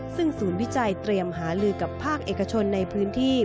ซึ่งศูนย์วิจัยเตรียมหาลือกับภาคเอกชนในพื้นที่